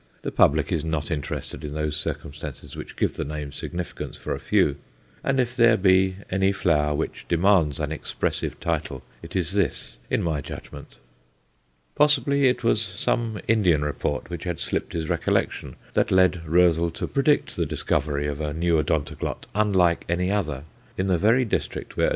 The public is not interested in those circumstances which give the name significance for a few, and if there be any flower which demands an expressive title, it is this, in my judgment. Possibly it was some Indian report which had slipped his recollection that led Roezl to predict the discovery of a new Odontoglot, unlike any other, in the very district where _Od.